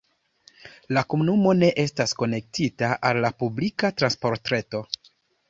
La komunumo ne estas konektita al la publika transportreto.